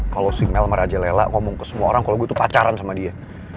kalau si melmar raja lela ngomong ke semua orang kalau gue tuh pacaran sama dia